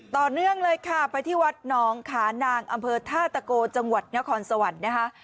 ต่อเนื่องเลยค่ะไปที่วัดหนองขานางอำเภอท่าตะโกจังหวัดนครสวรรค์นะคะ